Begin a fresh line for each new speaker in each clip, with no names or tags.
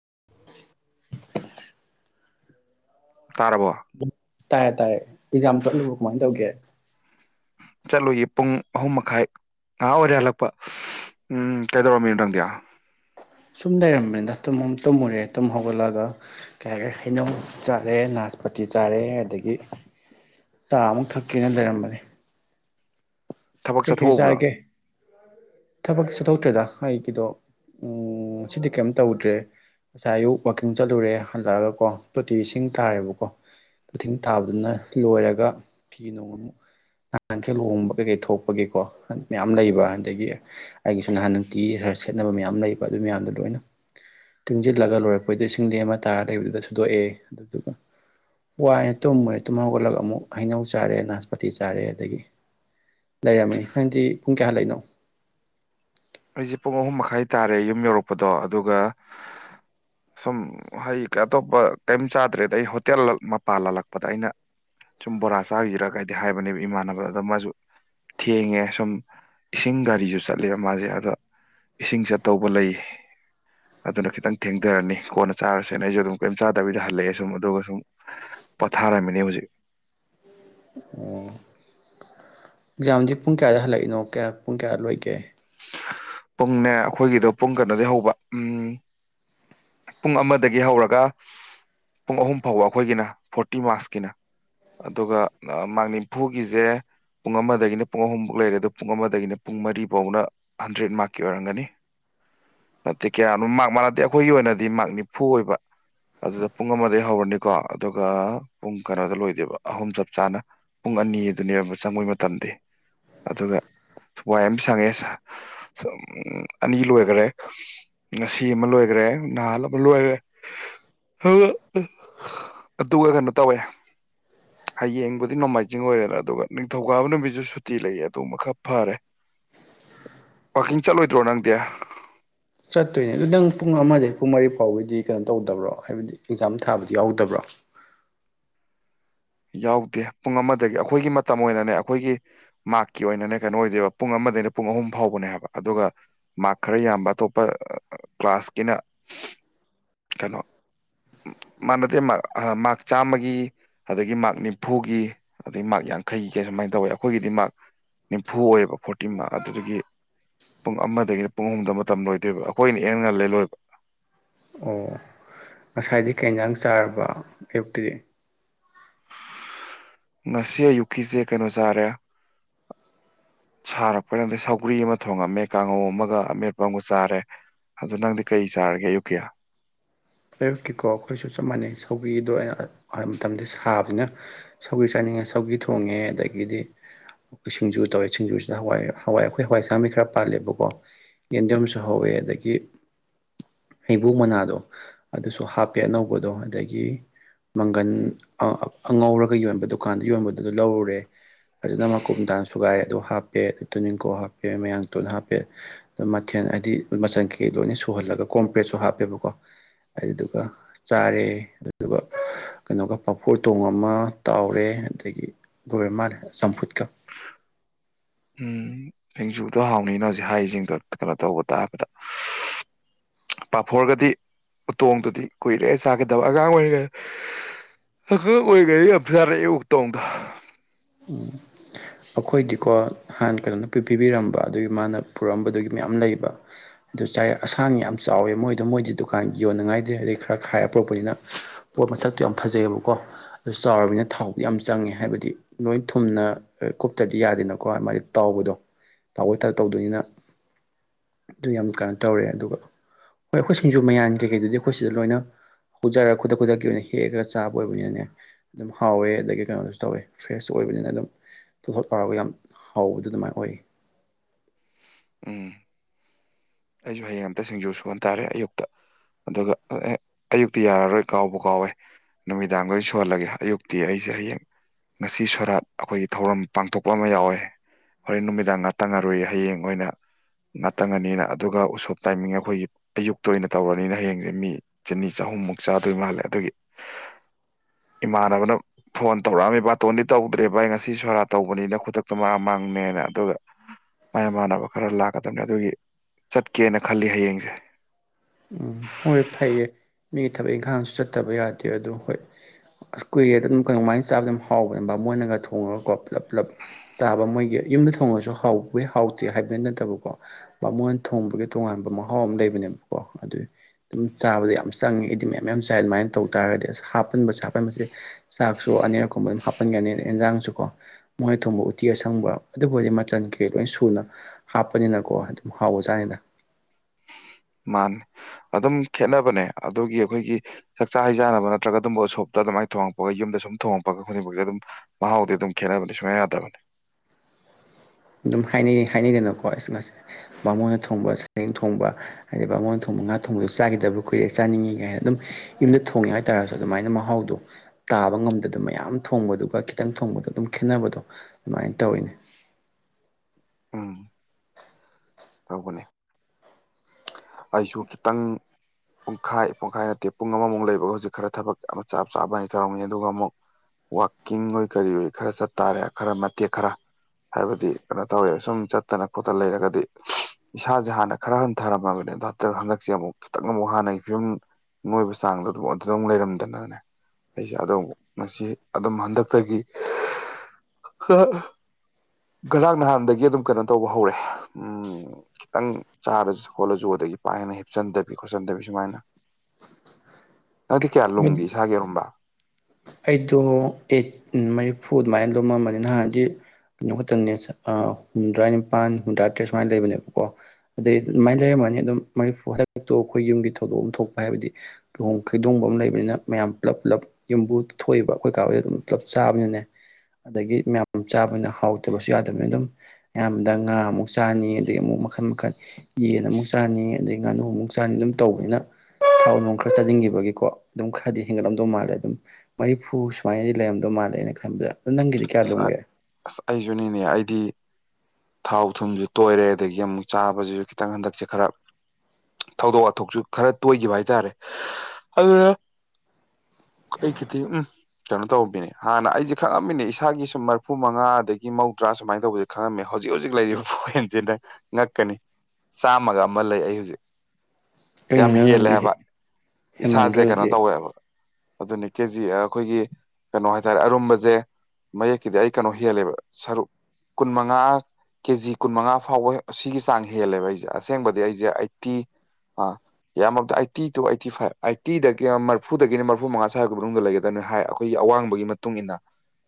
[unintelligible]
ꯇꯥꯔꯕꯣ
ꯇꯥꯔꯦ ꯇꯥꯔꯦ ꯑꯦꯛꯖꯥꯝ ꯆꯠꯂꯨꯕ ꯀꯃꯥꯏꯅ ꯇꯧꯒꯦ
ꯆꯠꯂꯨꯌꯦ ꯄꯨꯡ ꯑꯍꯨꯝ ꯃꯈꯥꯏ ꯉꯥꯢꯍꯥꯛ ꯑꯣꯏꯔ ꯍꯜꯂꯛꯄ ꯎꯝ ꯀꯩꯗꯧꯔꯝꯃꯤꯅꯣ ꯅꯪꯗꯤ
ꯁꯨꯝ ꯂꯩꯔꯝꯕꯅꯤꯅ ꯇꯨꯝ ꯇꯨꯝꯃꯨꯔꯦ ꯇꯨꯝ ꯍꯧꯒꯠꯂꯒ ꯀꯩ ꯍꯥꯏꯔꯦ ꯍꯩꯅꯧ ꯆꯥꯔꯦ ꯅꯥꯁ ꯄꯇꯤ ꯆꯥꯔꯦ ꯑꯗꯨꯗꯒꯤ ꯆꯥ ꯃꯨꯛ ꯊꯛꯀꯦꯅ ꯂꯩꯔꯝꯕꯅꯤ
ꯊꯕꯛ
ꯀꯩ ꯀꯩ
ꯆꯠꯊꯣꯛꯎꯕ꯭ꯔꯣ
ꯆꯥꯔꯒꯦ ꯊꯕꯛ ꯁꯨꯊꯣꯛꯇ꯭ꯔꯦꯗ ꯑꯩꯒꯤꯗꯣ ꯎ ꯁꯤꯗꯤ ꯀꯩꯝ ꯇꯧꯗ꯭ꯔꯦ ꯉꯁꯥꯏ ꯑꯌꯨꯛ ꯋꯥꯀꯤꯡ ꯆꯠꯂꯨꯔꯦ ꯍꯜꯂꯛꯑꯒ ꯀꯣ ꯇꯣꯇꯤ ꯏꯁꯤꯡ ꯇꯥꯌꯦꯕꯀꯣ ꯇꯊꯤꯡ ꯊꯥꯕꯗꯨꯅ ꯂꯣꯏꯔꯒ ꯐꯤ ꯅꯨꯡ ꯅꯍꯥꯟꯈꯩ ꯂꯨꯍꯣꯡꯕ ꯀꯩꯀꯩ ꯊꯣꯛꯄꯒꯤꯀꯣ ꯃꯌꯥꯝ ꯂꯩꯕ ꯑꯗꯒꯤ ꯑꯩꯒꯤꯁꯨ ꯅꯍꯥꯟ ꯅꯨꯡꯇꯤꯒꯤ ꯈꯔ ꯁꯦꯠꯅꯕ ꯃꯌꯥꯝ ꯂꯩꯕ ꯑꯗꯨ ꯃꯌꯥꯝꯗꯣ ꯂꯣꯏꯅ ꯇꯨꯡꯖꯤꯜꯂꯒ ꯂꯣꯏꯔꯛꯄꯩꯗꯣ ꯏꯁꯤꯡꯗ ꯑꯃ ꯇꯥꯔꯒ ꯂꯩꯕꯗꯨꯗ ꯁꯨꯗꯣꯛꯑꯦ ꯑꯗꯨꯗꯨꯒ ꯋꯥꯏꯅ ꯇꯨꯝꯃꯨꯔꯦ ꯇꯨꯝ ꯍꯧꯒꯠꯂꯒ ꯑꯃꯨꯛ ꯍꯩꯅꯧ ꯆꯥꯔꯦ ꯅꯥꯁꯄꯇꯤ ꯆꯥꯔꯦ ꯑꯗꯒꯤ ꯂꯩꯔꯝꯃꯤꯅꯤ ꯅꯪꯗꯤ ꯄꯨꯡ ꯀꯌꯥ ꯍꯜꯂꯛꯢꯅꯣ
ꯑꯩꯁꯦ ꯄꯨꯡ ꯑꯍꯨꯝ ꯃꯈꯥꯏ ꯇꯥꯔꯦ ꯌꯨꯝ ꯌꯧꯔꯛꯄꯗꯣ ꯑꯗꯨꯒ ꯁꯨꯝ ꯍꯩ ꯑꯇꯣꯞꯄ ꯀꯔꯤꯝ ꯆꯥꯗ꯭ꯔꯦꯗ ꯑꯩ ꯍꯣꯇꯦꯜ ꯃꯄꯥꯜ ꯂꯥꯜꯂꯛꯄꯗ ꯑꯩꯅ ꯁꯨꯝ ꯕꯣꯔꯥ ꯆꯥꯈꯤꯁꯤꯔ ꯒꯥꯏꯗꯤ ꯍꯥꯏꯕꯅꯦꯕ ꯏꯃꯥꯟꯅꯕꯗ ꯑꯗ ꯃꯥꯁꯨ ꯊꯦꯡꯉꯦ ꯁꯨꯝ ꯏꯁꯤꯡ ꯒꯥꯔꯤꯁꯨ ꯆꯠꯂꯦꯕ ꯃꯥꯁꯦ ꯑꯗꯨꯗ ꯏꯁꯤꯡ ꯆꯠꯇꯧꯕ ꯂꯩ ꯑꯗꯨꯅ ꯈꯤꯇꯪ ꯊꯦꯡꯊꯔꯅꯤ ꯀꯣꯟꯅ ꯆꯥꯔꯁꯦꯅ ꯑꯩꯁꯨ ꯑꯗꯨꯝ ꯀꯩꯔꯤꯝ ꯆꯥꯗꯕꯤꯗ ꯍꯜꯂꯛꯑꯦ ꯁꯨꯝ ꯑꯗꯨꯒ ꯁꯨꯝ ꯄꯣꯊꯥꯔꯝꯃꯤꯅꯦ ꯍꯧꯖꯤꯛ
ꯑꯣ ꯑꯦꯛꯖꯥꯝꯗꯤ ꯄꯨꯡ ꯀꯌꯥꯗ ꯍꯜꯂꯛꯏꯅꯣ ꯀꯌꯥ ꯄꯨꯡ ꯀꯌꯥꯗ ꯂꯣꯏꯒꯦ
ꯄꯨꯡꯅꯦ ꯑꯩꯈꯣꯏꯒꯤꯗꯣ ꯄꯨꯡ ꯀꯩꯅꯣꯗꯩ ꯍꯧꯕ ꯎꯝ ꯄꯨꯡ ꯑꯃꯗꯒꯤ ꯍꯧꯔꯒ ꯄꯨꯡ ꯑꯍꯨꯝ ꯐꯥꯎꯕ ꯑꯩꯈꯣꯏꯒꯤꯅ ꯐꯣꯔꯇꯤ ꯃꯥꯔꯁꯀꯤꯅ ꯑꯗꯨꯒ ꯃꯥꯛ ꯅꯤꯝꯐꯨꯒꯤꯁꯦ ꯄꯨꯡ ꯑꯃꯗꯒꯤꯅ ꯄꯨꯡ ꯑꯍꯨꯝꯐꯥꯎ ꯂꯩꯔꯦ ꯑꯗꯣ ꯄꯨꯡ ꯑꯃꯗꯒꯤꯅ ꯄꯨꯡ ꯃꯔꯤꯐꯧꯅ ꯍꯟꯗ꯭ꯔꯦꯗ ꯃꯥꯔꯛꯀꯤ ꯑꯣꯏꯔꯝꯒꯅꯤ ꯅꯠꯇꯦ ꯀꯌꯥꯅꯣ ꯃꯥꯛ ꯃꯥꯟꯅꯗꯦ ꯑꯩꯈꯣꯏꯒꯤ ꯑꯣꯏꯅꯗꯤ ꯃꯥꯛ ꯅꯤꯝꯐꯨ ꯑꯣꯏꯕ ꯑꯗꯨꯗ ꯄꯨꯡ ꯑꯃꯗꯩ ꯍꯧꯔꯅꯤꯀꯣ ꯑꯗꯨꯒ ꯄꯨꯡ ꯀꯩꯅꯣꯗ ꯂꯣꯏꯗꯣꯢꯕ ꯑꯍꯨꯝ ꯆꯞ ꯆꯥꯅ ꯄꯨꯡ ꯑꯅꯤ ꯑꯗꯨꯅꯦꯕ ꯆꯪꯕꯩ ꯃꯇꯝꯗꯤ ꯑꯗꯨꯒ ꯋꯥꯏ ꯑꯃ ꯁꯪꯉꯦ [unintelligible] ꯑꯅꯤ ꯂꯣꯏꯈꯔꯦ ꯉꯁꯤ ꯑꯃ ꯂꯣꯏꯈꯔꯦ ꯅꯍꯥꯥꯟ ꯑꯃ ꯂꯣꯏꯒꯔꯦ ꯑꯗꯨꯒ ꯀꯩꯅꯣ ꯇꯧꯋꯦ ꯍꯌꯦꯡꯕꯨꯗꯤ ꯅꯣꯡꯃꯥꯏꯖꯤꯡ ꯑꯣꯏꯔꯦꯅ ꯑꯗꯨꯒ ꯅꯤꯡꯊꯧꯀꯥꯕ ꯅꯨꯃꯤꯠꯁꯨ ꯁꯨꯇꯤ ꯂꯩ ꯑꯗꯨꯃ ꯈꯔ ꯐꯔꯦ ꯋꯥꯀꯤꯡ ꯆꯠꯂꯣꯏꯗ꯭ꯔꯣ ꯅꯪꯗꯤ
ꯆꯠꯇꯣꯏꯅꯦ ꯑꯗꯨ ꯅꯪ ꯄꯨꯡ ꯑꯃꯗꯒꯤ ꯄꯨꯡ ꯃꯔꯤ ꯐꯥꯎꯕꯒꯤꯗꯤ ꯀꯩꯅꯣ ꯇꯧꯗꯕ꯭ꯔꯣ ꯍꯥꯏꯕꯗꯤ ꯑꯦꯛꯖꯥꯝ ꯊꯥꯕꯗꯤ ꯌꯥꯎꯗꯕ꯭ꯔꯣ
[inaudible] ꯌꯥꯎꯗꯦ ꯄꯨꯡ ꯑꯃꯗꯒꯤ ꯑꯩꯈꯣꯏꯒꯤ ꯃꯇꯝ ꯑꯣꯏꯅꯅꯦ ꯑꯩꯈꯣꯏꯒꯤ ꯃꯥꯛꯀꯤ ꯑꯣꯏꯅꯅꯦ ꯀꯩꯅꯣ ꯑꯣꯏꯗꯣꯏꯕ ꯄꯨꯡ ꯑꯃ ꯑꯃꯗꯩꯅ ꯄꯨꯡ ꯑꯍꯨꯝ ꯐꯥꯎꯕꯅꯦ ꯍꯥꯏꯕ ꯑꯗꯨꯒ ꯃꯥꯔꯛ ꯈꯔ ꯌꯥꯝꯕ ꯑꯇꯣꯞꯄ ꯀ꯭ꯂꯥꯁꯀꯤꯅ ꯀꯩꯅꯣ ꯃꯥꯟꯅꯗꯦ ꯃꯥꯥꯛ ꯆꯥꯝꯃꯒꯤ ꯑꯗꯒꯤ ꯃꯥꯔꯛ ꯅꯤꯐꯨꯒꯤ ꯑꯗꯗꯒꯤ ꯃꯥꯛ ꯌꯥꯡꯈꯩꯒꯤ ꯀꯩ ꯁꯨꯃꯥꯏꯅ ꯇꯧꯋꯦ ꯑꯩꯈꯣꯏꯒꯤꯗꯤ ꯃꯥꯛ ꯅꯤꯝꯐꯨ ꯑꯣꯏꯌꯦꯕ ꯐꯣꯔꯇꯤꯅ ꯃꯥꯛ ꯑꯗꯨꯗꯒꯤ ꯄꯨꯡ ꯑꯃꯗꯒꯤꯅ ꯄꯨꯡ ꯑꯍꯨꯝꯗ ꯃꯇꯝ ꯂꯣꯏꯗꯣꯏꯕ ꯑꯩꯈꯣꯏꯅ ꯏꯉꯟ ꯉꯜꯂꯦ ꯂꯣꯏꯕ
ꯑꯣ ꯉꯁꯥꯏꯗꯤ ꯀꯩ ꯢꯟꯖꯥꯡ ꯆꯥꯔꯕ ꯑꯌꯨꯛꯇꯒꯤ
ꯉꯁꯤ ꯑꯌꯨꯛꯀꯤꯖꯦ ꯀꯩꯅꯣ ꯆꯥꯔꯦ ꯁꯥꯔꯛꯄ ꯀꯟꯗ ꯁꯧꯒ꯭ꯔꯤ ꯑꯃ ꯊꯣꯡꯉꯝꯃꯦ ꯀꯥꯡꯉꯧ ꯑꯃꯒ ꯑꯃꯦꯠꯄ ꯑꯃꯒ ꯆꯥꯔꯦ ꯑꯗꯣ ꯅꯪꯗꯤ ꯀꯩ ꯆꯥꯔꯒꯦ ꯑꯌꯨꯛꯀꯤ
ꯑꯌꯨꯛꯀꯤꯀꯣ ꯑꯩꯈꯣꯏꯁꯨ ꯆꯞ ꯃꯥꯟꯅꯩ ꯁꯧꯒꯔꯤ ꯑꯗꯨꯒ ꯑꯩꯅ ꯃꯇꯝꯗ ꯁꯥꯕꯅꯤꯅ ꯁꯧꯒꯔꯤ ꯆꯥꯅꯤꯉꯦꯅ ꯉꯦꯅ ꯁꯧꯒꯔꯤ ꯊꯣꯡꯉꯦ ꯑꯗꯒꯤꯗꯤ ꯑꯩꯈꯣꯏ ꯁꯤꯡꯖꯨ ꯇꯧꯋꯦ ꯁꯤꯡꯖꯨꯁꯤꯗ ꯍꯋꯥꯏ ꯍꯋꯥꯏ ꯑꯩꯈꯣꯏ ꯍꯋꯥꯏ ꯁꯥꯡꯕꯤ ꯈꯔ ꯄꯥꯜꯂꯦꯕꯀꯣ ꯌꯦꯟꯗꯝꯁꯨ ꯍꯧꯋꯦ ꯑꯗꯒꯤ ꯍꯩꯕꯨꯨ ꯃꯅꯥꯗꯣ ꯑꯗꯨꯁꯨ ꯍꯥꯞꯄꯦ ꯑꯅꯧꯕꯗꯣ ꯑꯗꯒꯤ ꯃꯪꯒꯟ ꯑꯉꯧꯔꯒ ꯌꯣꯟꯕ ꯗꯨꯀꯥꯟꯗ ꯌꯣꯟꯕꯗꯨ ꯂꯧꯔꯨꯔꯦ ꯐꯖꯅ ꯃꯀꯨꯞ ꯗꯥ ꯁꯨꯒꯥꯏꯔꯦ ꯑꯗꯨ ꯍꯥꯞꯄꯦ ꯇꯨꯅꯤꯡꯀꯣꯛ ꯍꯥꯞꯄꯦ ꯃꯌꯥꯡꯇꯣꯟ ꯍꯥꯞꯄꯦ ꯃꯊꯦꯜ ꯍꯥꯏꯗꯤ ꯃꯆꯟ ꯀꯩꯀꯩ ꯂꯣꯏꯅ ꯁꯨꯍꯜꯂꯒ ꯀꯣꯝꯄ꯭ꯔꯦꯁꯁꯨ ꯍꯥꯞꯄꯦꯕꯀꯣ ꯑꯗꯨꯗꯨꯒ ꯆꯥꯔꯦ ꯑꯗꯨꯗꯨꯒ ꯀꯩꯅꯣꯒ ꯄꯥꯐꯣꯔ ꯑꯨꯇꯣꯡ ꯑꯃ ꯇꯥꯎꯔꯦ ꯑꯗꯒꯤ ꯂꯣꯏꯔ ꯃꯥꯜꯂꯦ ꯆꯝꯐꯨꯠꯀ
[inaudible] ꯎꯝ ꯁꯤꯡꯖꯨꯗꯣ ꯍꯥꯎꯅꯤꯅ ꯍꯧꯖꯤꯛ ꯍꯥꯏꯔꯤꯁꯤꯡꯗꯣ ꯀꯩꯅꯣ ꯇꯧꯕ ꯇꯥꯕꯗ ꯄꯥꯐꯣꯔꯒꯗꯤ ꯎꯇꯣꯡꯗꯨꯗꯤ ꯀꯨꯏꯔꯦ ꯆꯥꯈꯤꯗꯕ ꯑꯉꯥꯡ ꯑꯣꯏꯔꯤꯉꯩꯗ ꯑꯉꯥꯡ ꯑꯣꯢꯔꯤ ꯉꯩꯗ ꯌꯝ ꯆꯥꯔꯛꯑꯦ ꯎꯇꯣꯡꯗꯣ
ꯎꯝ ꯑꯩꯈꯣꯏꯗꯤꯀꯣ ꯅꯥꯟ ꯀꯩꯅꯣ ꯅ ꯄꯤꯕꯤꯔꯝꯕ ꯑꯗꯨꯒꯤ ꯃꯥꯅ ꯄꯨꯔꯛꯕ ꯗꯨꯒꯤ ꯃꯌꯥꯝ ꯂꯩꯕ ꯑꯗꯨ ꯆꯥꯏꯔꯦ ꯑꯁꯥꯡ ꯌꯥꯝ ꯆꯥꯎꯋꯦ ꯃꯣꯏꯗꯣ ꯃꯣꯏꯗꯤ ꯗꯨꯀꯥꯟ ꯌꯣꯟꯅꯉꯥꯏꯗꯦ ꯑꯗꯩ ꯈꯔ ꯈꯥꯏꯔ ꯄꯨꯔꯛꯄꯅꯤꯅ ꯄꯣꯠ ꯃꯁꯛꯇꯣ ꯌꯥꯝ ꯐꯖꯩ ꯑꯕꯀꯣ ꯑꯗꯨ ꯆꯥꯎꯔꯕꯅꯤꯅ ꯊꯥꯎꯕꯨꯗꯤ ꯌꯥꯝ ꯆꯪꯉꯦ ꯍꯥꯏꯕꯗꯤ ꯅꯣꯏ ꯊꯨꯝꯅ ꯀꯣꯛꯇ꯭ꯔꯗꯤ ꯌꯥꯗꯦꯅꯀꯣ ꯃꯥꯗꯤ ꯇꯥꯎꯕꯗꯣ ꯊꯥꯑꯣꯏ ꯊ ꯇꯧꯗꯣꯏꯅꯤꯅ ꯑꯗꯨ ꯌꯥꯝ ꯀꯩꯅꯣ ꯇꯧꯔꯦ ꯑꯗꯨꯒ ꯍꯣꯏ ꯑꯩꯈꯣꯏ ꯁꯤꯡꯁꯨ ꯃꯌꯥꯟ ꯀꯩꯀꯩꯗꯨꯗꯤ ꯑꯩꯈꯣꯏ ꯁꯤꯗ ꯂꯣꯏꯅ ꯍꯧꯖꯔꯒ ꯈꯨꯗꯛ ꯈꯨꯗꯛꯀꯤ ꯑꯣꯏꯅ ꯍꯦꯛꯑꯒ ꯆꯥꯕ ꯑꯣꯏꯕꯅꯤꯅꯅꯦ ꯑꯗꯨꯝ ꯍꯥꯎꯋꯦ ꯑꯗꯒꯤ ꯀꯩꯅꯣꯗꯁꯨ ꯇꯧꯋꯦ ꯐ꯭ꯔꯦꯁ ꯑꯣꯏꯕꯅꯤꯅ ꯑꯗꯨꯝ ꯇꯣꯊꯣꯠ ꯂꯧꯔꯒ ꯌꯥꯝ ꯍꯥꯎꯕꯗ ꯑꯗꯨꯃꯥꯏꯅ ꯑꯣꯏ
ꯎꯝ ꯑꯩꯁꯨ ꯍꯌꯦꯡ ꯑꯇ ꯁꯤꯡꯖꯨ ꯁꯨꯍꯟ ꯇꯥꯔꯦ ꯑꯌꯨꯛꯇ ꯑꯗꯨꯒ ꯑꯦ ꯑꯌꯨꯛꯇꯤ ꯌꯥꯔꯔꯣꯏ ꯀꯥꯎꯕ ꯀꯥꯎꯋꯦ ꯅꯨꯃꯤꯗꯥꯡꯗꯗꯤ ꯁꯨꯍꯜꯂꯒꯦ ꯑꯌꯨꯛꯇꯤ ꯑꯩꯁꯦ ꯑꯩꯁꯦ ꯍꯌꯦꯡ ꯉꯁꯤ ꯁꯣꯔꯥꯠ ꯑꯩꯈꯣꯏꯒꯤ ꯊꯧꯔꯝ ꯄꯥꯡꯊꯣꯛꯄ ꯑꯃ ꯌꯥꯎꯋꯦ ꯍꯣꯔꯦꯟ ꯅꯨꯃꯤꯗꯥꯡ ꯉꯥꯛꯇꯪ ꯉꯔꯣꯏ ꯍꯌꯦꯡ ꯑꯣꯏꯅ ꯉꯥꯛꯇꯪꯉꯅꯤꯅ ꯑꯗꯨꯒ ꯎꯁꯣꯞ ꯇꯥꯏꯃꯤꯡ ꯑꯩꯈꯣꯏꯒꯤ ꯑꯌꯨꯛꯇ ꯑꯣꯏꯅ ꯇꯧꯔꯅꯤꯅ ꯍꯌꯦꯡꯁꯦ ꯃꯤ ꯆꯅꯤ ꯆꯍꯨꯝꯃꯨꯛ ꯃꯨꯛ ꯆꯥꯗꯣꯏ ꯃꯥꯜꯂꯦ ꯑꯗꯨꯒꯤ ꯏꯃꯥꯟꯅꯕꯅ ꯐꯣꯟ ꯇꯧꯔꯛꯑꯝꯃꯤ ꯕꯥꯇꯣꯟꯗꯤ ꯇꯧꯗ꯭ꯔꯦ ꯚꯕꯥ ꯉꯁꯤ ꯁꯣꯔꯥꯠ ꯇꯧꯕꯅꯤꯅ ꯈꯨꯗꯛꯇ ꯃꯔꯥꯡ ꯃꯔꯥꯡ ꯈꯪꯅꯦꯅ ꯑꯗꯨꯒ ꯃꯥꯢ ꯃꯥꯟꯅꯕ ꯈꯔ ꯂꯥꯛꯀꯗꯕꯅꯦ ꯑꯗꯨꯒꯤ ꯆꯠꯀꯦꯅ ꯈꯜꯂꯤ ꯍꯌꯦꯡꯁꯦ
ꯍꯣꯏ ꯐꯩꯌꯦ ꯃꯤꯒꯤ ꯊꯕꯛ ꯏꯪꯈꯥꯡꯁꯨ ꯆꯠꯇꯕ ꯌꯥꯗꯦ ꯑꯗꯨ ꯍꯣꯏ ꯑꯁ ꯀꯨꯏꯔꯦ ꯑꯗꯨꯝ ꯀꯩꯅꯃꯥꯏꯅ ꯆꯥꯕꯗꯨ ꯑꯗꯨꯝ ꯍꯥꯎꯕꯅꯦ ꯚꯃꯣꯟꯅꯒ ꯊꯣꯡꯉꯒꯀꯣ ꯄꯨꯂꯞ ꯄꯨꯂꯞ ꯆꯥꯕ ꯃꯣꯏꯒꯤ ꯌꯨꯝꯗ ꯊꯣꯡꯉꯁꯨ ꯍꯥꯎꯋꯤ ꯍꯥꯎꯇꯦ ꯍꯥꯏꯕꯗꯤ ꯅꯠꯇꯕꯀꯣ ꯚꯃꯣꯟꯅ ꯊꯣꯡꯕꯒꯤ ꯇꯣꯉꯥꯟꯕ ꯃꯍꯥꯎ ꯑꯃ ꯂꯩꯕꯅꯦ ꯀꯣ ꯑꯗꯨ ꯑꯗꯨꯝ ꯆꯥꯕꯗ ꯌꯥꯝ ꯆꯪꯉꯦ ꯑꯩꯗꯤ ꯃꯌꯥꯝ ꯌꯥꯝ ꯆꯥꯏ ꯑꯗꯨꯃꯥꯏꯅ ꯇꯧ ꯇꯥꯔꯒꯗꯤ ꯑꯁ ꯍꯥꯞꯄꯟꯕꯁꯦ ꯍꯥꯞꯄꯟꯕꯁꯦ ꯆꯥꯛꯁꯨ ꯑꯅꯤꯔꯛꯀꯨꯝꯕ ꯍꯥꯞꯄꯟꯒꯅꯤ ꯢꯖꯥꯡꯁꯨꯀꯣ ꯃꯣꯏꯅ ꯊꯨꯝꯕ ꯎꯇꯤ ꯑꯁꯪꯕ ꯑꯗꯨꯕꯨꯗꯤ ꯃꯜꯆꯥꯜ ꯀꯩ ꯂꯣꯏ ꯁꯨꯅ ꯍꯥꯞꯄꯅꯤꯅꯀꯣ ꯑꯗꯨꯝ ꯍꯥꯎꯕꯖꯥꯅꯤꯗ
ꯃꯥꯥꯟꯅꯦ ꯑꯗꯨꯝ ꯈꯦꯠꯅꯕꯅꯦ ꯑꯗꯨꯒꯤ ꯑꯩꯈꯣꯏꯒꯤ ꯆꯥꯛꯆꯥ ꯍꯩꯖꯥꯟꯅꯕ ꯅꯠꯇ꯭ꯔꯒ ꯑꯗꯨꯝꯕ ꯎꯁꯣꯞꯇ ꯑꯗꯨꯃꯥꯏꯅ ꯊꯣꯡꯉꯛꯄꯒ ꯌꯨꯝ ꯗꯁꯨꯝ ꯊꯣꯡꯉꯛꯄꯒ ꯈꯨꯣꯗꯤꯡꯃꯛ ꯁꯦ ꯑꯗꯨꯝ ꯃꯍꯥꯎꯗꯤ ꯑꯗꯨꯝ ꯈꯦꯠꯅꯕꯅꯤ ꯁꯨꯡꯌꯥ ꯌꯥꯗꯕꯅꯦ
ꯑꯗꯨꯝ ꯍꯥꯏꯅꯩ ꯍꯥꯏꯅꯩ ꯗꯅ ꯑꯁ ꯉꯁꯦ ꯕꯥꯃꯣꯟꯅ ꯊꯣꯡꯕ ꯁꯔꯦꯡ ꯊꯣꯡꯕ ꯍꯥꯏꯗꯤ ꯕꯥꯃꯣꯟꯅ ꯊꯣꯡꯕ ꯃꯉꯥ ꯊꯣꯡꯕꯗꯨꯁꯨ ꯆꯥꯈꯤꯗꯕ ꯀꯨꯏꯔꯦ ꯆꯥꯅꯤꯡꯢ ꯀꯥꯏꯅ ꯑꯗꯨꯝ ꯌꯨꯝꯗ ꯊꯣꯡꯉꯦ ꯍꯥꯏꯇꯥꯥꯔꯒꯁꯨ ꯑꯗꯨꯃꯥꯏꯅ ꯃꯍꯥꯎꯗꯣ ꯇꯥꯕ ꯉꯝꯗꯗꯣ ꯃꯌꯥꯝ ꯊꯣꯡꯕꯗꯨꯒ ꯈꯤꯇꯪ ꯊꯣꯡꯕꯗꯣ ꯑꯗꯨꯝ ꯈꯦꯠꯅꯕꯗꯣ ꯑꯗꯨꯃꯥꯏꯅ ꯇꯧꯋꯤꯅꯦ
[inaudible] ꯎꯝ ꯇꯧꯕꯅꯦ ꯑꯩꯁꯨ ꯈꯤꯇꯪ ꯄꯨꯡꯈꯥꯏ ꯄꯨꯡꯈꯥꯏ ꯅꯠꯇꯦ ꯄꯨꯡ ꯑꯃꯃꯨꯛ ꯂꯩꯕꯒ ꯍꯧꯖꯤꯛ ꯈꯔ ꯊꯕꯛ ꯑꯃ ꯆꯞ ꯆꯥꯕꯅ ꯇꯧꯔꯝꯃꯤ ꯑꯗꯨꯒ ꯑꯃꯨꯛ ꯋꯥꯀꯤꯡ ꯑꯣꯏ ꯀꯔꯤ ꯑꯣꯏ ꯈꯔ ꯆꯠꯇꯥꯔꯦ ꯈꯔ ꯃꯇꯦꯛ ꯈꯔ ꯍꯥꯏꯕꯗꯤ ꯀꯩꯅꯣ ꯇꯧꯋꯦ ꯁꯨꯝ ꯆꯠꯇꯅ ꯈꯣꯠꯇꯅ ꯂꯩꯔꯒꯗꯤ ꯏꯁꯥꯁꯦ ꯍꯥꯟꯅ ꯈꯔ ꯍꯟꯊꯔꯝꯃꯕꯅꯦ ꯍꯇ ꯍꯟꯗꯛꯁꯦ ꯑꯃꯨꯛ ꯈꯤꯇꯪ ꯑꯃꯨꯛ ꯍꯥꯟꯅꯒꯤ ꯐꯤꯕꯝ ꯑꯣꯏꯕ ꯆꯥꯡꯗ ꯑꯗꯨ ꯑꯗꯨꯗ ꯑꯃꯨꯛ ꯂꯩꯔꯝꯗꯅꯅꯦ ꯑꯩꯁꯦ ꯑꯗꯨꯝ ꯉꯁꯤ ꯑꯗꯨꯝ ꯍꯟꯗꯛꯇꯒꯤ ꯒꯔꯥꯡ ꯅꯍꯥꯟꯗꯒꯤ ꯑꯗꯨꯝ ꯀꯩꯅꯣ ꯇꯧꯕ ꯍꯧꯔꯦ ꯎꯝ ꯈꯤꯇꯪ ꯆꯥꯔꯁꯨ ꯈꯣꯠꯂꯁꯨ ꯑꯗꯒꯤ ꯄꯥꯍꯦꯟꯅ ꯍꯤꯞꯆꯟꯗꯕꯤ ꯈꯣꯠꯆꯟꯗꯕꯤ ꯁꯨꯃꯥꯏꯅ ꯅꯪꯗꯤ ꯀꯌꯥ
ꯑꯗꯨ
ꯂꯨꯝꯒꯦ ꯢꯁꯥꯒꯤ ꯑꯔꯨꯝꯕ
ꯑꯩꯗꯣ ꯑꯩꯠ ꯃꯔꯤꯐꯨ ꯑꯗꯨ ꯃꯥꯏꯅ ꯂꯨꯝꯃꯝꯕꯅꯤꯅ ꯅꯍꯥꯟꯗꯤ ꯀꯩꯅꯣ ꯈꯛꯇꯪꯅꯦ ꯍꯨꯝꯗ꯭ꯔꯥ ꯅꯤꯄꯜ ꯍꯨꯝꯗ꯭ꯔꯥ ꯇꯔꯦꯠ ꯁꯨꯃꯥꯏꯅ ꯂꯩꯕꯅꯦꯕꯀꯣ ꯑꯗꯩ ꯑꯗꯨꯃꯥꯏꯅ ꯂꯩꯔꯝ ꯑꯗꯨꯝ ꯃꯔꯤꯐꯨ ꯍꯟꯗꯛꯇꯣ ꯑꯩꯈꯣꯏꯒꯤ ꯌꯨꯝꯒꯤ ꯊꯧꯗꯣꯛ ꯑꯃ ꯊꯣꯛꯄ ꯍꯥꯏꯕꯗꯤ ꯂꯨꯍꯣꯡ ꯈꯩꯗꯣꯡꯕ ꯑꯃ ꯂꯩꯕꯅꯤꯅ ꯃꯌꯥꯝ ꯄꯨꯂꯞ ꯄꯨꯂꯞ ꯌꯨꯝꯕꯨ ꯊꯣꯛꯏꯕ ꯑꯩꯈꯣꯏ ꯀꯥ ꯍꯣꯢꯗ ꯑꯗꯨꯝ ꯄꯨꯂꯞ ꯆꯥꯕꯅꯤꯅꯦ ꯑꯗꯒꯤ ꯃꯌꯥꯝ ꯆꯥꯕꯅꯤꯅ ꯍꯥꯎꯇꯕꯁꯨ ꯌꯥꯗꯕꯅꯤꯅ ꯑꯗꯨꯝ ꯑꯌꯥꯝꯕꯗ ꯉꯥ ꯑꯃꯨꯛ ꯆꯥꯅꯤ ꯑꯗꯒꯤ ꯑꯃꯨꯛ ꯃꯈꯟ ꯃꯈꯟ ꯌꯦꯟ ꯑꯃꯨꯛ ꯆꯥꯅꯤ ꯑꯗꯩ ꯉꯥꯅꯨ ꯑꯃꯨꯛ ꯆꯥꯅꯤ ꯑꯗꯨꯝ ꯇꯧꯕꯅꯤꯅ ꯊꯥꯎ ꯅꯨꯡ ꯈꯔ ꯆꯥꯁꯤꯟꯈꯤꯕꯒꯤꯀꯣ ꯑꯗꯨꯝ ꯈꯔꯗꯤ ꯍꯦꯟꯒꯠꯂꯝꯗꯧ ꯃꯥꯜꯂꯦ ꯑꯗꯨꯝ ꯃꯔꯤꯐꯨ ꯁꯨꯃꯥꯏꯅꯗꯤ ꯂꯩꯔꯝꯗꯧ ꯃꯥꯜꯂꯦ ꯑꯩꯅ ꯈꯟꯕꯗ ꯑꯗꯣ ꯅꯪꯒꯤꯗꯤ ꯀꯌꯥ
ꯑꯁ
ꯂꯨꯝꯒꯦ
ꯑꯁ ꯑꯩꯖꯨꯅꯤꯅꯦ ꯑꯩꯗꯤ ꯊꯥꯎ ꯊꯨꯝꯁꯨ ꯇꯣꯏꯔꯦ ꯑꯗꯒꯤ ꯑꯃꯨꯛ ꯆꯥꯕꯁꯤꯁꯨ ꯈꯤꯇꯪ ꯍꯟꯗꯛꯁꯦ ꯈꯔ ꯊꯧꯗꯣꯛ ꯋꯥꯊꯣꯛꯁꯨ ꯈꯔ ꯇꯣꯏꯒꯤꯕ ꯍꯥꯏꯇꯥꯔꯦ ꯑꯗꯨꯅ ꯑꯩꯒꯗꯤ ꯎꯝ ꯀꯩꯅꯣ ꯇꯧꯕꯤꯅꯦ ꯍꯥꯟꯅ ꯑꯩꯁꯦ ꯈꯪꯉꯝꯃꯤꯅꯦ ꯏꯁꯥꯒꯤ ꯁꯨꯝ ꯃꯔꯐꯨ ꯃꯉꯥ ꯑꯗꯒꯤ ꯃꯧꯗ꯭ꯔꯥ ꯁꯨꯃꯥꯏꯅ ꯇꯧꯕꯁꯦ ꯈꯪꯉꯝꯃꯦ ꯍꯧꯖꯤꯛ ꯍꯧꯖꯤꯛ ꯂꯩꯔꯤꯕ ꯄꯣꯏꯟꯁꯤꯅ ꯆꯥꯝꯃꯒ ꯑꯃ ꯂꯩ ꯑꯩ ꯍꯧꯖꯤꯛ
ꯀꯩꯅꯣ
ꯌꯥꯝ
ꯅꯪ
ꯍꯦꯜꯂꯦ
ꯑꯗꯨꯗꯤ
ꯍꯥꯏꯕ ꯏꯁꯥꯁꯦ
ꯍꯦꯟꯃꯟꯗ꯭ꯔꯣ
ꯀꯩꯅꯣ
ꯑꯗꯨꯗꯤ
ꯇꯧꯋꯦꯕ ꯑꯗꯨꯅꯤ ꯀꯦꯖꯤ ꯑꯩꯈꯣꯏꯒꯤ ꯀꯩꯅꯣ ꯍꯥꯏꯇꯥꯔꯦ ꯑꯔꯨꯝꯕꯁꯦ ꯃꯌꯦꯛꯀꯤꯗꯤ ꯑꯩ ꯀꯩꯅꯣ ꯍꯦꯜꯂꯦꯕ ꯁꯔꯨꯛ ꯀꯨꯟ ꯃꯉꯥ ꯀꯦꯖꯤ ꯀꯨꯟꯃꯉꯥ ꯐꯥꯎꯕ ꯁꯤꯒꯤ ꯆꯥꯡ ꯍꯦꯜꯂꯦꯕ ꯑꯩꯁꯦ ꯑꯁꯦꯡꯕꯗꯤ ꯑꯩꯁꯦ ꯑꯩꯇꯤ ꯑ ꯌꯥꯝꯃꯕꯗ ꯑꯩꯠꯇꯤ ꯇꯨ ꯑꯩꯠꯇꯤ ꯐꯥꯏꯚ ꯑꯥꯏꯠꯇꯤꯗꯒꯤ ꯃꯔꯐꯨꯗꯒꯤꯅ ꯃꯔꯐꯨ ꯃꯉꯥ ꯁꯥꯢꯕꯧ ꯃꯅꯨꯡꯗ ꯂꯩꯒꯗꯕꯅꯤ ꯍꯥꯏ ꯑꯩꯈꯣꯏ ꯑꯋꯥꯡꯕꯒꯤ ꯃꯇꯨꯡ ꯏꯟꯅ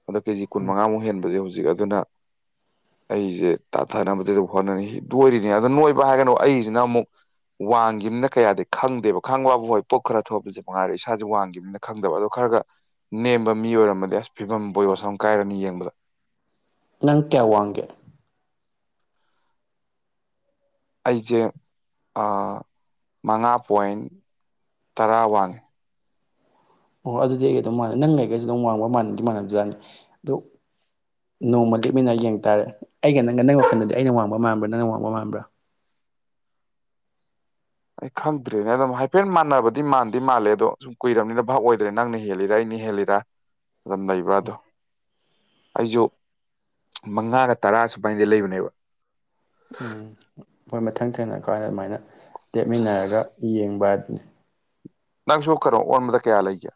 ꯑꯗꯣ ꯀꯦꯖꯤ ꯀꯨꯟ
ꯎꯝ
ꯃꯉꯥꯃꯨꯛ ꯍꯦꯟꯕꯁꯦ ꯍꯧꯖꯤꯛ ꯑꯗꯨꯅ ꯑꯩꯁꯦ ꯇꯥꯊꯅꯕꯗꯤ ꯑꯗꯨꯝ ꯍꯣꯠꯅꯔꯤ ꯅꯣꯏꯔꯤꯅꯦ ꯑꯗꯨ ꯅꯣꯏꯕ ꯍꯥꯏꯒꯅ ꯑꯃꯨꯛ ꯑꯩꯁꯤꯅ ꯑꯃꯨꯛ ꯋꯥꯡꯒꯤꯝꯅꯤꯅ ꯀꯌꯥꯗꯤ ꯈꯪꯗꯦꯕ ꯈꯪꯕꯕꯨ ꯍꯣꯏ ꯄꯣꯠ ꯈꯔ ꯊꯣꯄꯁꯦ ꯃꯉꯥꯏꯔꯦ ꯏꯁꯥꯥꯁꯦ ꯋꯥꯡꯒꯤꯝꯅꯤꯅ ꯈꯪꯗꯕ ꯑꯗꯣ ꯈꯔ ꯈꯔꯒ ꯅꯦꯝꯕ ꯃꯤ ꯑꯣꯏꯔꯝꯃꯗꯤ ꯑꯁ ꯐꯤꯕꯝ ꯕꯣꯌꯣꯁ ꯑꯃ ꯀꯥꯏꯔꯅꯤ ꯌꯦꯡꯕꯗ
ꯅꯪ ꯀꯌꯥ ꯋꯥꯒꯦ
ꯑꯩꯁꯦ ꯃꯉꯥ ꯄꯣꯏꯟ ꯇꯔꯥ ꯋꯥꯡꯉꯦ
ꯑꯣ ꯑꯗꯨꯗꯤ ꯑꯩꯒ ꯑꯗꯨꯝ ꯃꯥꯟꯅ ꯅꯪꯒ ꯑꯩꯒꯁꯦ ꯑꯗꯨꯝ ꯋꯥꯡꯕ ꯃꯥꯟꯅꯗꯤ ꯃꯥꯟꯅꯕꯖꯥꯠꯅꯤ ꯑꯗꯨ ꯅꯣꯡꯃ ꯂꯦꯞꯃꯤꯟꯅ ꯌꯦꯡ ꯇꯥꯔꯦ ꯑꯩꯒ ꯅꯪꯒ ꯅꯪ ꯋꯥꯈꯜꯗꯗꯤ ꯑꯩꯅ ꯋꯥꯡꯕ ꯃꯥꯟꯕ꯭ꯔꯥ ꯅꯪꯅ ꯋꯥꯡꯕ ꯃꯥꯟꯕ꯭ꯔꯥ
ꯑꯩ ꯈꯪꯗ꯭ꯔꯦꯅꯦ ꯑꯗꯨꯝ ꯍꯥꯏꯐꯦꯠ ꯃꯥꯟꯅꯕꯗꯤ ꯃꯥꯟꯗꯤ ꯃꯥꯜꯂꯦ ꯑꯗꯣ ꯁꯨꯝ ꯀꯨꯏꯔꯕꯅꯤꯅ ꯚꯥꯞ ꯑꯣꯏꯗ꯭ꯔꯦ ꯅꯪꯅ ꯍꯦꯜꯂꯤꯔ ꯑꯩꯅ ꯍꯦꯜꯂꯤꯔꯥ ꯑꯗꯨꯝ ꯂꯩꯕ꯭ꯔꯥꯗꯣ ꯑꯩꯁꯨ ꯃꯉꯥꯒ ꯇꯔꯥ ꯁꯨꯃꯥꯏꯗꯤ ꯂꯩꯕꯅꯦꯕ
ꯎꯝ ꯃꯣꯏ ꯃꯊꯪ ꯊꯦꯡꯅ ꯀꯥꯟꯗ ꯑꯗꯨꯃꯥꯏꯅ ꯂꯦꯛꯃꯤꯟꯅꯔꯒ ꯌꯦꯡꯕ ꯑꯗꯨꯅꯤ
ꯅꯪꯁꯨꯨ ꯀꯩꯅꯣ ꯑꯣꯟꯕꯗ ꯀꯌꯥ ꯂꯩꯒꯦ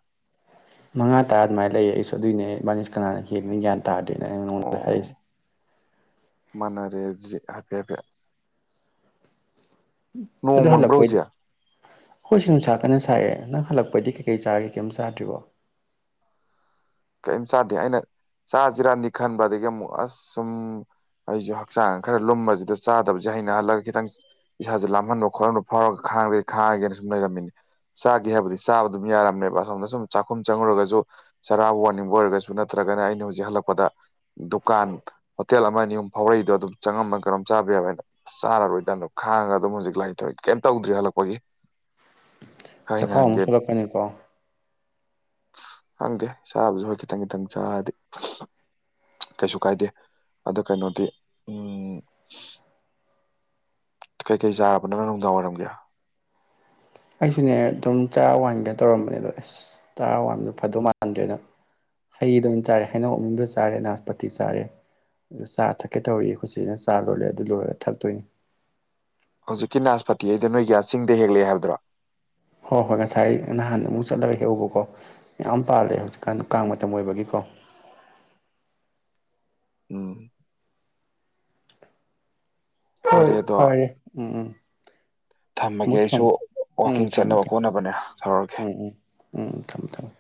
ꯃꯉꯥ ꯇꯥ ꯑꯗꯨꯃꯥꯏꯅ ꯂꯩꯌꯦ ꯑꯩꯁꯨ ꯑꯗꯨꯏꯅꯦ ꯏꯕꯥꯟꯅꯤꯁꯦ ꯀꯅꯥꯅ ꯍꯦꯟꯕꯅꯣ ꯒ꯭ꯌꯥꯟ ꯇꯥꯗꯦ ꯑꯩꯅ ꯅꯉꯣꯟꯗ ꯍꯥꯢꯔꯛꯏꯁꯦ
ꯃꯅꯔꯦ ꯑꯗꯨꯗꯤ ꯍꯥꯏꯐꯦꯠ ꯍꯥꯏꯐꯦꯠ ꯅꯣꯡ ꯃꯪꯕ꯭ꯔꯣ ꯍꯧꯖꯤꯛ
ꯑꯩꯈꯣꯏ ꯁꯤ ꯅꯨꯡꯁꯥ ꯀꯟꯅ ꯁꯥꯏꯑꯦ ꯅꯪ ꯍꯜꯂꯛꯄꯩꯗꯤ ꯀꯩꯀꯩ ꯆꯥꯔꯒꯦ ꯀꯩꯝ ꯆꯥꯗ꯭ꯔꯤꯕꯣ
ꯀꯦꯝ ꯆꯥꯗꯦ ꯑꯩꯅ ꯆꯥꯖꯤꯔꯅꯗꯤ ꯈꯟꯕ ꯑꯗꯒꯤ ꯑꯃꯨꯛ ꯑꯁ ꯁꯨꯝ ꯑꯩꯁꯨ ꯍꯛꯆꯥꯡ ꯈꯔ ꯂꯨꯝꯕꯁꯤꯗ ꯆꯥꯗꯕꯁꯦ ꯍꯩꯅꯍꯜꯂꯒꯦ ꯈꯤꯇꯪ ꯏꯁꯥꯁꯦ ꯂꯥꯝꯍꯟꯕ ꯈꯣꯠꯍꯟꯕ ꯐꯥꯎꯔꯒ ꯈꯥꯡꯗꯗꯤ ꯈꯥꯡꯒꯦꯅ ꯁꯨꯝ ꯂꯩꯔꯝꯃꯤꯅꯤ ꯆꯥꯒꯦ ꯍꯥꯏꯕꯗꯤ ꯆꯥꯕ ꯑꯗꯨꯝ ꯌꯥꯔꯃꯦꯕ ꯑꯁꯣꯝꯗ ꯁꯨꯝ ꯆꯥꯛꯈꯨꯝ ꯆꯪꯉꯨꯔꯒꯁꯨ ꯆꯔꯥ ꯋꯥꯟ ꯅꯤꯡꯕ ꯑꯣꯢꯔꯒꯁꯨ ꯅꯠꯇ꯭ꯔꯒꯅ ꯑꯩꯅ ꯍꯧꯖꯤꯛ ꯍꯜꯂꯛꯄꯗ ꯗꯨꯀꯥꯟ ꯍꯣꯇꯦꯜ ꯑꯃ ꯑꯅꯤ ꯑꯍꯨꯝ ꯐꯥꯎꯔꯛꯏꯗꯣ ꯑꯗꯨꯝ ꯆꯪ ꯉꯝꯃꯒ ꯀꯩꯅꯣꯝ ꯆꯥꯕ ꯌꯥꯕ ꯑꯁ ꯆꯥꯔꯔꯣꯏꯗꯅ ꯈꯥꯡꯉꯒ ꯑꯗꯨꯝ ꯍꯧꯖꯤꯛ ꯂꯥꯛꯏꯗꯣ ꯀꯩꯝ ꯇꯧꯗ꯭ꯔꯤ ꯍꯜꯂꯛꯄꯒꯤ [inaudible]
ꯆꯈꯥꯎ ꯑꯃꯨꯛ
ꯍꯩꯅꯍꯟꯒꯦꯅ
ꯁꯣꯛꯂꯛꯀꯅꯤꯀꯣ
ꯈꯪꯗꯦ ꯆꯥꯕꯁꯨ ꯍꯣꯏ ꯈꯤꯇꯪ ꯈꯤꯇꯪ ꯆꯥꯔꯗꯤ ꯀꯩꯁꯨ ꯀꯥꯏꯗꯦ ꯑꯗꯣ ꯀꯩꯅꯣꯗꯤ ꯎꯝ ꯀꯩꯀꯩ ꯆꯥꯔꯕ ꯅꯪꯅ ꯅꯨꯡꯗꯥꯡ ꯋꯥꯏꯔꯝꯒꯤ
ꯑꯩꯁꯨꯅꯦ ꯑꯗꯨꯝ ꯆꯥꯔꯥ ꯋꯥꯟꯒꯦ ꯇꯧꯔꯝꯕꯅꯦ ꯑꯗꯣ ꯑꯁ ꯆꯥꯔꯥ ꯋꯥꯟꯕꯗꯣ ꯐꯗꯧ ꯃꯥꯟꯗ꯭ꯔꯦꯅ ꯍꯩꯗꯣ ꯑꯣꯏꯅ ꯆꯥꯔꯦ ꯍꯩꯅꯧ ꯑꯃꯨꯟꯕ ꯆꯥꯔꯦ ꯅꯥꯁꯄꯇꯤ ꯆꯥꯔꯦ ꯑꯗꯨ ꯆꯥ ꯊꯛꯀꯦ ꯇꯧꯔꯤ ꯑꯩꯈꯣꯢ ꯆꯦꯅ ꯆꯥ ꯂꯣꯜꯂꯤ ꯑꯗꯨ ꯂꯣꯏꯔꯒ ꯊꯛꯇꯣꯏꯅꯤ
ꯍꯧꯖꯤꯛꯀꯤ ꯅꯥꯁꯄꯇꯤ ꯍꯥꯢꯗꯣ ꯅꯣꯏꯒꯤ ꯑꯥ ꯆꯤꯡꯗꯩ ꯍꯦꯛꯂꯛꯑꯦ ꯍꯥꯏꯕꯗꯨꯔꯥ
ꯍꯣꯏ ꯍꯣꯏ ꯉꯁꯥꯏ ꯅꯍꯥꯟ ꯑꯃꯨꯛ ꯆꯠꯂꯒ ꯍꯦꯛꯎꯕꯀꯣ ꯌꯥꯝ ꯄꯥꯜꯂꯦ ꯍꯧꯖꯤꯛꯀꯥꯟ ꯀꯥꯡ ꯃꯇꯝ ꯑꯣꯏꯕꯒꯤꯀꯣ [inaudible]
[inaudible] ꯎꯝ
ꯍꯣꯏ ꯐꯔꯦ ꯎꯝ ꯎꯝ
ꯊꯝꯃꯒꯦ
ꯑꯃꯨꯛ
ꯑꯩꯁꯨ
ꯊꯝꯃꯨ ꯎꯝ
ꯋꯥꯛꯀꯤꯡ
ꯊꯝꯃꯣ
ꯆꯠꯅꯕ
ꯊꯝꯃꯣ
ꯈꯣꯠꯅꯕꯅꯦ ꯇꯧꯔꯒꯦ
ꯎꯝ ꯎꯝ ꯎꯝ ꯊꯝꯃꯨ ꯊꯝꯃꯨ